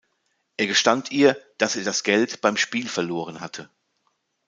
Er gestand ihr, dass er das Geld beim Spiel verloren hatte.